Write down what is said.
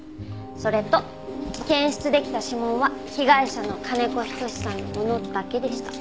それと検出できた指紋は被害者の金子仁さんのものだけでした。